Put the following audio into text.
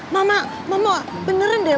mama mama beneran deh